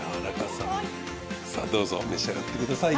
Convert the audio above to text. さぁどうぞ召し上がってください。